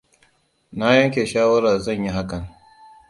Na yanke shawarar zan yi hakan.